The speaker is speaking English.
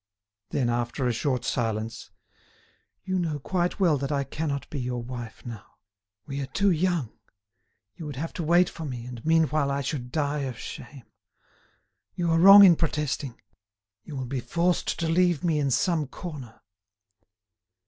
Then, after a short silence: "You know quite well that I cannot be your wife now. We are too young. You would have to wait for me, and meanwhile I should die of shame. You are wrong in protesting; you will be forced to leave me in some corner."